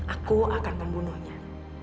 aku akan membunuhnya